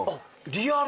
リアル。